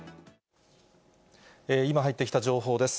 今入ってきた情報です。